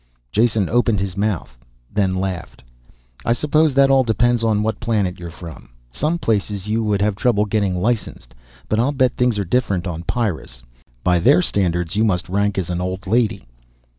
Jason opened his mouth then laughed. "I suppose that all depends on what planet you're from. Some places you would have trouble getting licensed. But I'll bet things are different on Pyrrus. By their standards you must rank as an old lady."